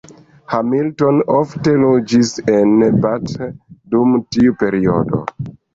Hamilton ofte loĝis en Bath dum tiu periodo.